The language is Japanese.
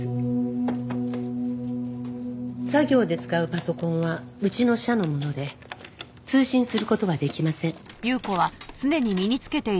作業で使うパソコンはうちの社のもので通信する事はできません。